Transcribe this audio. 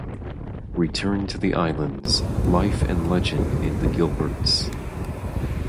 Return to the Islands: Life and Legend in the Gilberts.